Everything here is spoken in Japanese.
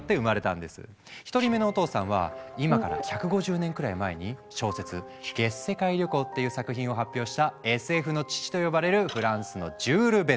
１人目のお父さんは今から１５０年くらい前に小説「月世界旅行」っていう作品を発表した「ＳＦの父」と呼ばれるフランスのジュール・ヴェルヌ。